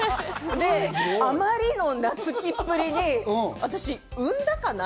あまりのなつきっぷりに、私、産んだかな？